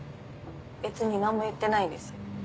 別に何も言ってないです。